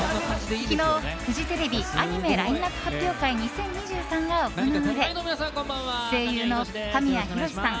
昨日、フジテレビアニメラインナップ発表会２０２３が行われ声優の神谷浩史さん